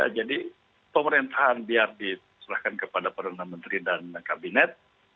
jadi pemerintahan biar diserahkan kepada perundang menteri dan kabinet